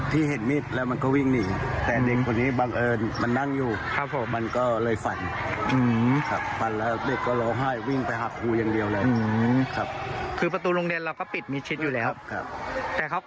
แต่เขาข้ามตรงนี้เลยใช่ไหมครับ